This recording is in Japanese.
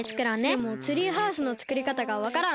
でもツリーハウスのつくりかたがわからん。